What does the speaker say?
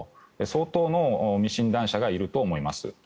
相当の未診断者がいると思います。